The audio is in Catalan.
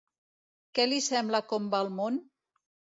Què li sembla com va el món?